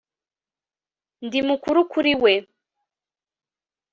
ndi mukuru kuri we